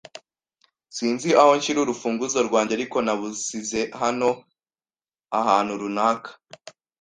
Sinzi aho nshyira urufunguzo rwanjye, ariko nabusize hano ahantu runaka.